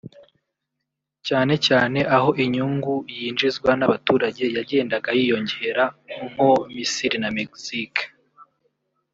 cyane cyane aho inyungu yinjizwa n’abaturage yagendaga yiyongera nko Misiri na Mexique